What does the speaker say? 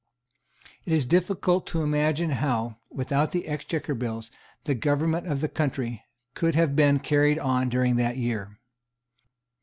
It is difficult to imagine how, without the Exchequer Bills, the government of the country could have been carried on during that year.